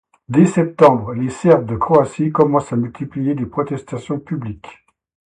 Dès septembre, les Serbes de Croatie commencent à multiplier les protestations publiques.